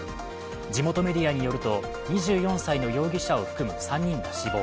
地元メディアによると２４歳の容疑者を含む３人が死亡。